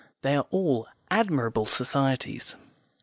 They are all admirable societies).